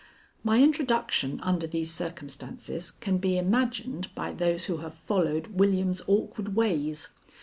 My introduction under these circumstances can be imagined by those who have followed William's awkward ways.